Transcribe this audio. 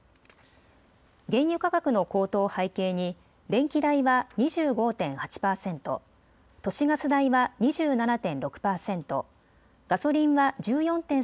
原油価格の高騰を背景に電気代は２５．８％、都市ガス代は２７．６％、ガソリンは１４．３％